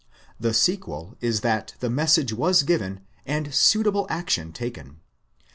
The sequel is that the message was given, and suitable action taken.